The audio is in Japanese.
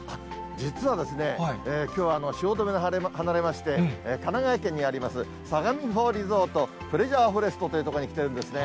実はですね、きょうは汐留を離れまして、神奈川県にあります、さがみ湖リゾートプレジャーフォレストという所に来てるんですね。